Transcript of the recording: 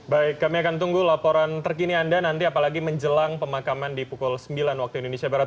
baik kami akan tunggu laporan terkini anda nanti apalagi menjelang pemakaman di pukul sembilan waktu indonesia barat